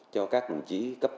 cho các đồng chí cấp cấp